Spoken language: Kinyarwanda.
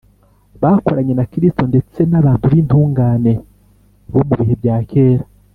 . Bakoranye na Kristo ndetse n’abantu b’intungane bo mu bihe bya kera